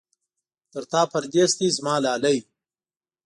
تر تا پردېس دی زما لالی.